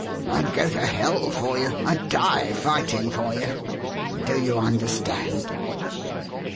I'd go to hell for you! I'd die fighting for you! Do you understand?"